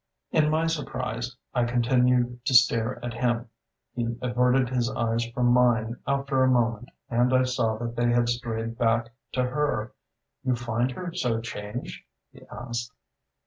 In my surprise I continued to stare at him. He averted his eyes from mine after a moment, and I saw that they had strayed back to her. "You find her so changed?" he asked.